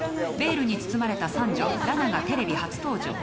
ルに包まれた三女裸奈がテレビ初登場。